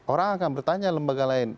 orang akan bertanya lembaga lain